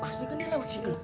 pasti kan dilewat sini